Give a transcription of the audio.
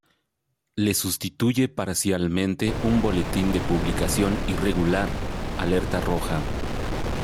Le sustituye parcialmente un boletín de publicación irregular, Alerta Roja.